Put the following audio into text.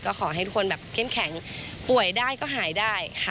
ก็ขอให้ทุกคนแบบเข้มแข็งป่วยได้ก็หายได้ค่ะ